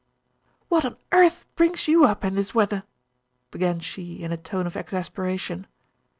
"What on earth brings you up in this weather?" began she, in a tone of exasperation.